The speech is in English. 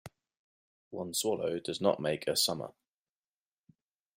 One swallow does not make a summer.